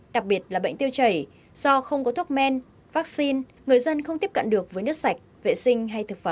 đặc biệt là bệnh tiêu chảy do không có thuốc men vaccine người dân không tiếp cận được với nước sạch vệ sinh hay thực phẩm